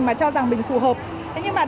mà cho rằng mình phù hợp với các trường đại học